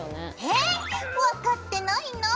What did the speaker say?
えっ！分かってないな。